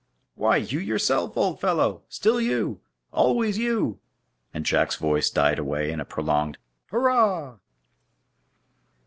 "Why, you yourself, old fellow! still you! always you!" And Jack's voice died away in a prolonged "Hurrah!"